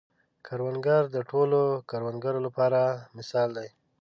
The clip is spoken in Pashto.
کروندګر د ټولو کروندګرو لپاره مثال دی